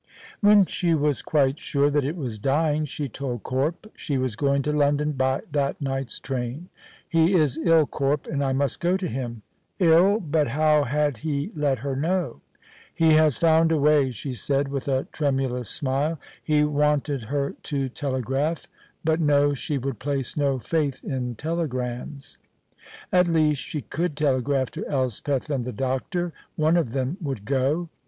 When she was quite sure that it was dying, she told Corp she was going to London by that night's train. "He is ill, Corp, and I must go to him." Ill! But how had he let her know? "He has found a way," she said, with a tremulous smile. He wanted her to telegraph; but no, she would place no faith in telegrams. At least she could telegraph to Elspeth and the doctor. One of them would go.